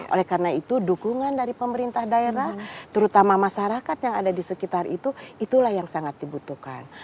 oleh karena itu dukungan dari pemerintah daerah terutama masyarakat yang ada di sekitar itu itulah yang sangat dibutuhkan